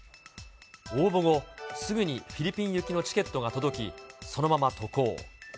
応募後、すぐにフィリピン行きのチケットが届き、そのまま渡航。